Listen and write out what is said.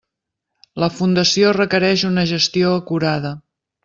La fundació requereix una gestió acurada.